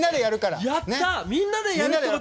みんなでやるから。